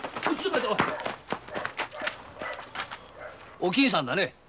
おきんさんだね？